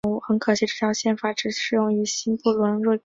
很可惜这条宪法只适用于新不伦瑞克。